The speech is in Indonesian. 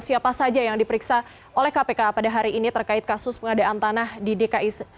siapa saja yang diperiksa oleh kpk pada hari ini terkait kasus pengadaan tanah di dki